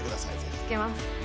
つけます。